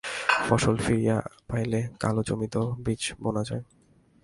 ফসল ফিরিয়া পাইলে কালো জমিতেও বীজ বোনা যায়।